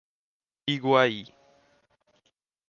Iguaí